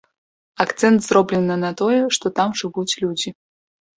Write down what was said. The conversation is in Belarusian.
Акцэнт зроблены на тое, што там жывуць людзі.